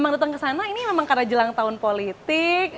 di mana ini memang karena jelang tahun politik